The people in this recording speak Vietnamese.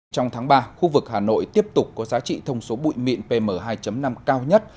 trong tháng ba khu vực hà nội tiếp tục có giá trị thông số bụi mịn pm hai năm cao nhất